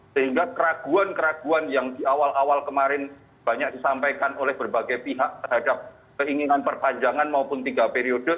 sehingga keraguan keraguan yang di awal awal kemarin banyak disampaikan oleh berbagai pihak terhadap keinginan perpanjangan maupun tiga periode